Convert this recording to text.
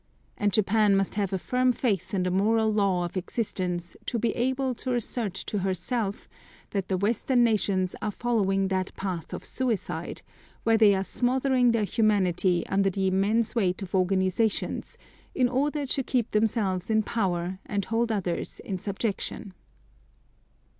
And Japan must have a firm faith in the moral law of existence to be able to assert to herself, that the Western nations are following that path of suicide, where they are smothering their humanity under the immense weight of organisations in order to keep themselves in power and hold others in subjection.